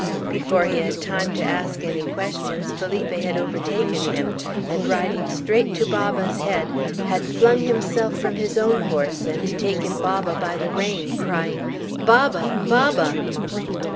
Before he had time to ask any questions, Felipe had overtaken him, and riding straight to Baba's head, had flung himself from his own horse and taken Baba by the rein, crying, "Baba! Baba!"